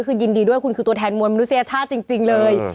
คือยินดีด้วยคุณคือตัวแทนมวลมนุษยชาติจริงเลย